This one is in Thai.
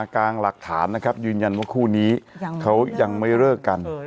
กลางหลักฐานนะครับยืนยันว่าคู่นี้เขายังไม่เลิกกัน